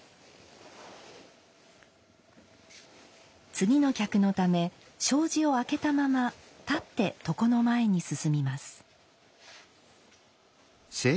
次の客のため障子を開けたまま立って床の前に進みます。